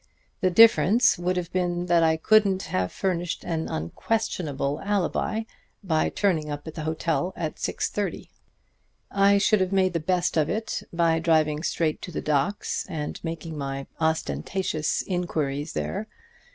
The difference would have been that I couldn't have furnished an unquestionable alibi by turning up at the hotel at six thirty. I should have made the best of it by driving straight to the docks and making my ostentatious inquiries there.